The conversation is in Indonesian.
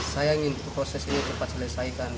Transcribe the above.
saya ingin proses ini cepat selesaikan